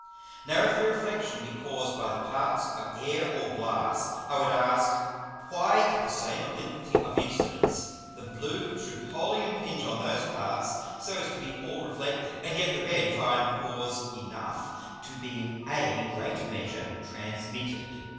Now if the Reflexion be caused by the parts of Air or Glass, I would ask, why at the same Obliquity of Incidence the blue should wholly impinge on those parts, so as to be all reflected, and yet the red find Pores enough to be in a great measure transmitted.